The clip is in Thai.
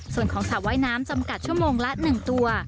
ส่วนของสระว่ายน้ำจำกัดชั่วโมงละ๑ตัว